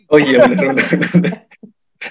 oh iya bener bener